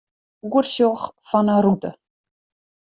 Oersjoch fan 'e rûte.